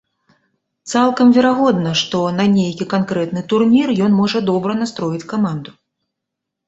Цалкам верагодна, што на нейкі канкрэтны турнір ён можа добра настроіць каманду.